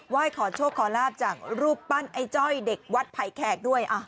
ขอโชคขอลาบจากรูปปั้นไอ้จ้อยเด็กวัดไผ่แขกด้วย